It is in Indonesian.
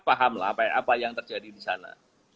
paham lah apa yang terjadi di sana